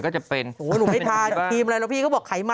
โอเคกว่าไหม